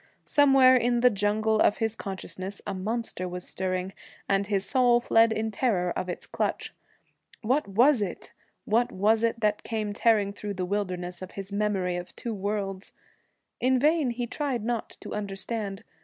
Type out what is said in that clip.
Somewhere in the jungle of his consciousness a monster was stirring, and his soul fled in terror of its clutch. What was it what was it that came tearing through the wilderness of his memories of two worlds? In vain he tried not to understand.